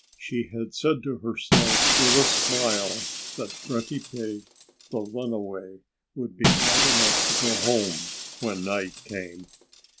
She had said to herself, with a smile, that Grunty Pig, the runaway, would be glad enough to go home when night came.